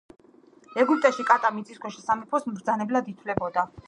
ეგვიპტეში კატა მიწისქვეშა სამეფოს მბრძანებლად ითვლებოდა.